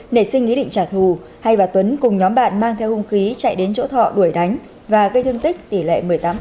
nảy sinh ý định trả thù hay bà tuấn cùng nhóm bạn mang theo hung khí chạy đến chỗ thọ đuổi đánh và gây thương tích tỷ lệ một mươi tám